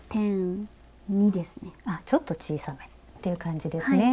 あっちょっと小さめっていう感じですね。